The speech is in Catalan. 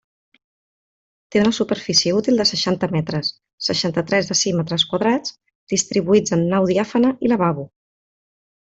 Té una superfície útil de seixanta metres, seixanta-tres decímetres quadrats, distribuïts en nau diàfana i lavabo.